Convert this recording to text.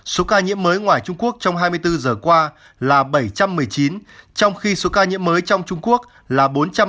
số ca nhiễm mới ngoài trung quốc trong hai mươi bốn giờ qua là bảy trăm một mươi chín trong khi số ca nhiễm mới trong trung quốc là bốn trăm ba mươi bảy